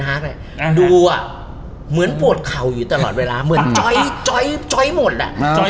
ดูอ่ะเหมือนปวดเข่าอยู่ตลอดเวลาเหมือนจอยจอยจอยหมดอ่ะจอย